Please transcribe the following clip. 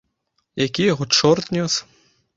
Які яго чорт нёс!